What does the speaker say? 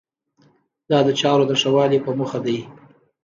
دا د چارو د ښه والي په موخه دی.